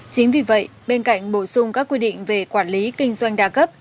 chính vì vậy bên cạnh bổ sung các quy định về quản lý kinh doanh đa cấp